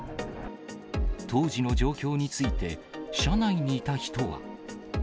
当時の状況について、車内にいた人は。